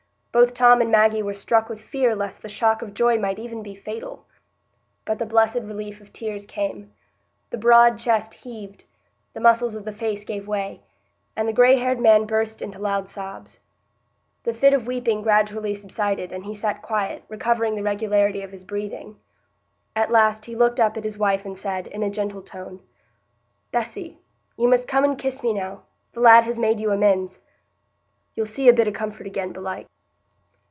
Both Tom and Maggie were struck with fear lest the shock of joy might even be fatal. But the blessed relief of tears came. The broad chest heaved, the muscles of the face gave way, and the gray haired man burst into loud sobs. The fit of weeping gradually subsided, and he sat quiet, recovering the regularity of his breathing. At last he looked up at his wife and said, in a gentle tone: "Bessy, you must come and kiss me now—the lad has made you amends. You'll see a bit o' comfort again, belike."